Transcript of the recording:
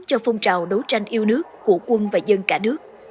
cho phong trào đấu tranh yêu nước của quân và dân cả nước